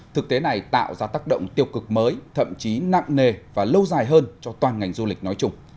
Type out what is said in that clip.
thực tế này tạo ra tác động tiêu cực mới thậm chí nặng nề và lâu dài hơn cho toàn ngành du lịch nói chung